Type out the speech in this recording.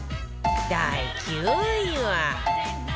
第９位は